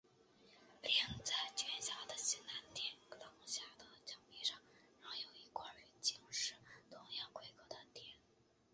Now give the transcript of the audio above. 另在殿外的西南廊下的墙壁上镶有一块与经石同样规格的跋。